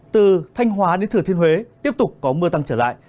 từ thanh hóa đến thừa thiên huế tiếp tục có mưa tăng trở lại